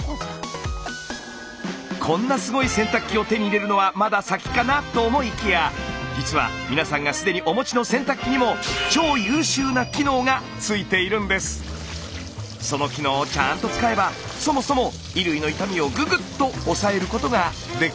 こんなすごい洗濯機を手に入れるのはまだ先かなと思いきや実は皆さんが既にお持ちの洗濯機にもその機能をちゃんと使えばそもそも衣類の傷みをググッと抑えることができるんです。